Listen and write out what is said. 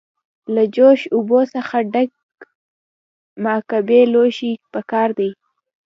له جوش اوبو څخه ډک مکعبي لوښی پکار دی.